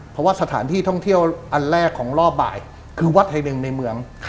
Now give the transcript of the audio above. เพราะว่าสถานที่ท่องเที่ยวอันแรกของรอบบ่ายคือวัดแห่งหนึ่งในเมือง